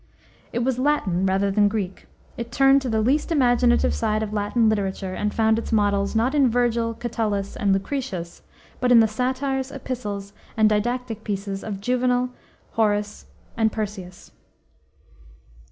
It was Latin rather than Greek; it turned to the least imaginative side of Latin literature and found its models, not in Vergil, Catullus, and Lucretius, but in the satires, epistles, and didactic pieces of Juvenal, Horace, and Persius.